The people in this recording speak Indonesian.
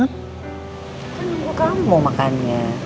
kan nunggu kamu mau makannya